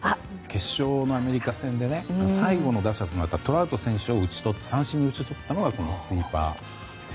決勝のアメリカ戦で最後の打者となったトラウト選手を三振に打ち取ったのがこのスイーパーでしょ。